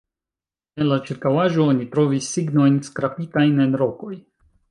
En la ĉirkaŭaĵo oni trovis signojn skrapitajn en rokoj.